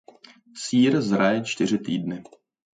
Sýr zraje čtyři týdny.